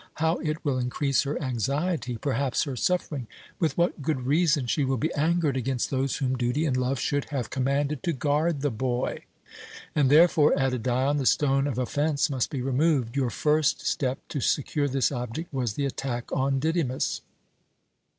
How it will increase her anxiety, perhaps her suffering! With what good reason she will be angered against those whom duty and love should have commanded to guard the boy!" "And therefore," added Dion, "the stone of offence must be removed. Your first step to secure this object was the attack on Didymus."